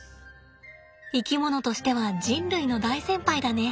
生き物としては人類の大先輩だね。